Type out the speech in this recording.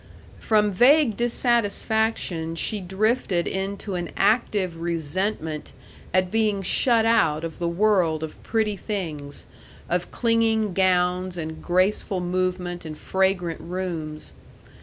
From vague dissatisfaction she drifted into an active resentment at being shut out of the world of pretty things, of clinging gowns and graceful movement and fragrant rooms.